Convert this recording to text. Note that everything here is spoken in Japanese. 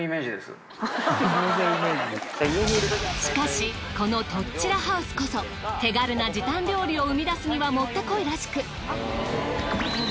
しかしこのとっ散らハウスこそ手軽な時短料理を生み出すにはもってこいらしく。